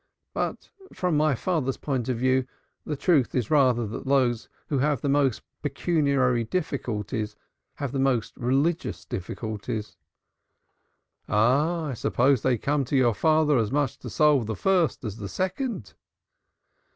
"But from my father's point of view, the truth is rather that those who have most pecuniary difficulties have most religious difficulties." "Ah, I suppose they come to your father as much to solve the first as the second."